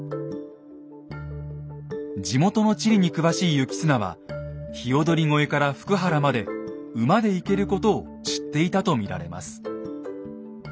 地元の地理に詳しい行綱は鵯越から福原まで馬で行けることを知っていたと見られます。